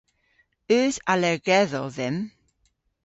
Eus allergedhow dhymm?